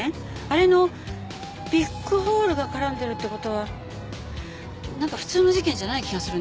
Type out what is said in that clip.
あれのビッグホールが絡んでるって事はなんか普通の事件じゃない気がするんです。